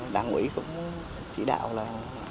đảng quỹ cũng chỉ đạo là